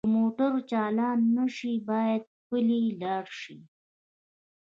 که موټر چالان نه شي باید پلی لاړ شئ